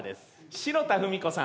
白田文子さん。